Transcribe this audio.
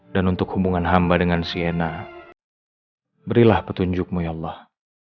dan untuk hubungan hamba dengan sienna berilah petunjukmu ya allah